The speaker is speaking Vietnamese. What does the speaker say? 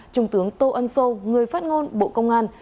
trung tướng tô ân sô người phát ngôn bộ công an